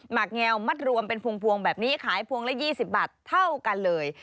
หักแงวมัดรวมเป็นพวงแบบนี้ขายพวงละ๒๐บาทเท่ากันเลย